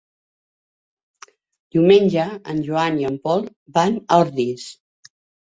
Diumenge en Joan i en Pol van a Ordis.